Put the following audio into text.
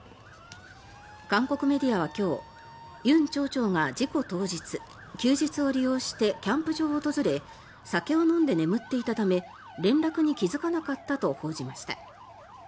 韓国メディアは今日ユン庁長が事故当日休日を利用してキャンプ場を訪れ酒を飲んで眠っていたため連絡に気付かなかったと報じました。